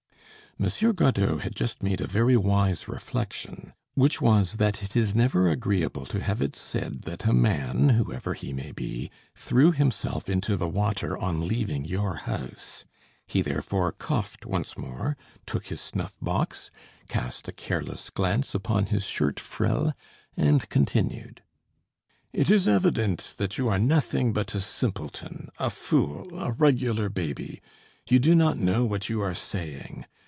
Monsieur Godeau had just made a very wise reflection, which was that it is never agreeable to have it said that a man, whoever he may be, threw himself into the water on leaving your house. He therefore coughed once more, took his snuff box, cast a careless glance upon his shirt frill, and continued: "It is evident that you are nothing but a simpleton, a fool, a regular baby. You do not know what you are saying.